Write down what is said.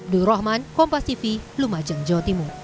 nur rahman kompas tv lumajang jawa timur